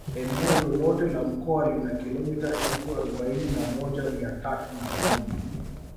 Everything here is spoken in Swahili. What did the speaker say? Eneo lote la mkoa lina kilometa elfu arobaini na moja mia tatu na kumi